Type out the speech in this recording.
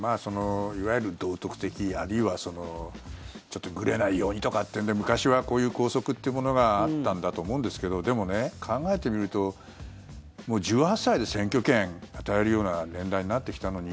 いわゆる道徳的あるいはちょっとぐれないようにとかっていうので昔はこういう校則というものがあったんだと思うんですけどでも、考えてみるともう１８歳で選挙権を与えるような年代になってきたのに